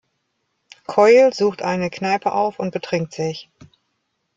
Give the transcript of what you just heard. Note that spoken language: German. Coyle sucht eine Kneipe auf und betrinkt sich.